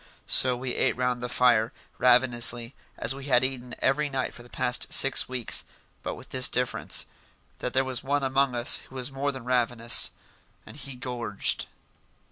So we ate round the fire, ravenously, as we had eaten every night for the past six weeks, but with this difference: that there was one among us who was more than ravenous and he gorged.